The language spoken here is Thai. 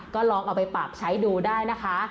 ก็ลองเอาไปปรับใช้ดูได้นะคะ